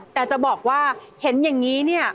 แต่จะบอกว่าเห็นอย่างนี้เนี่ย